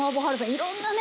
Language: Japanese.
いろんなね